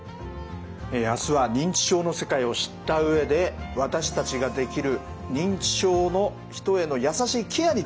明日は認知症の世界を知った上で私たちができる認知症の人への優しいケアについてお伝えしていきます。